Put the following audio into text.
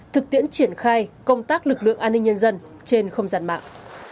thực tiễn triển khai công tác lực lượng an ninh nhân dân trên không gian mạng